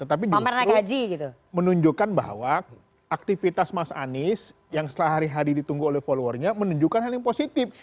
tetapi justru menunjukkan bahwa aktivitas mas anies yang setelah hari hari ditunggu oleh followernya menunjukkan hal yang positif